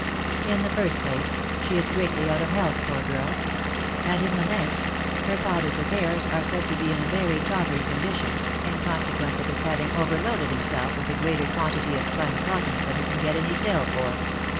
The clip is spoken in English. In the first place, she is greatly out of health, poor girl ; and in the next, her father's affairs are said to be in a very tottering condition, in consequence of his having overloaded himself with a greater quantity of spun cotton than he can get any sale for.